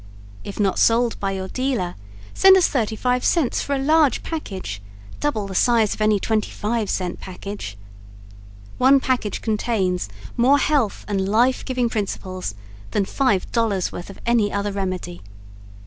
If not sold by your dealer send us 35c for a large package, double the size of any 25c package. One package contains more health and life giving principles than $5.00 worth of any other remedy.